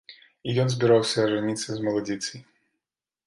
І ён збіраўся ажаніцца з маладзіцай.